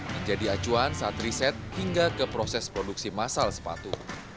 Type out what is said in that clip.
menjadi acuan saat riset hingga ke proses produksi massal sepatu